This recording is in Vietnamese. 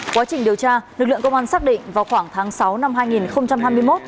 quá trình điều tra lực lượng công an xác định vào khoảng tháng sáu năm hai nghìn hai mươi một